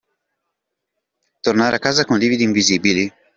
Tornare a casa con lividi invisibili.